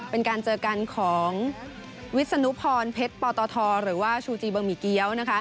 เป็นการเจอกันของวิศนุพรเพชรปตทหรือว่าชูจีบะหมี่เกี้ยวนะคะ